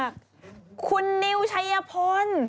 คุณนิวชายหยภน